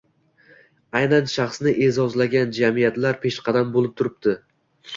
aynan shaxsni e’zozlagan jamiyatlar peshqadam bo‘lib turibdi.